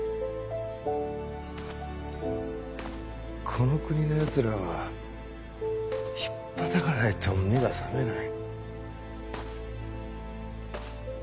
この国のやつらはひっぱたかないと目が覚めない。